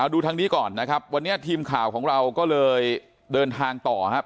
ดูทางนี้ก่อนนะครับวันนี้ทีมข่าวของเราก็เลยเดินทางต่อครับ